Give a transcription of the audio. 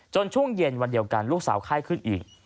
ช่วงเย็นวันเดียวกันลูกสาวไข้ขึ้นอีก